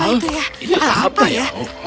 menengah hari ya